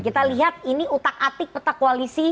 kita lihat ini utak atik peta koalisi